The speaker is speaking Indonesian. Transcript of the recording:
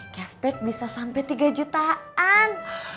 caspek bisa sampai tiga jutaan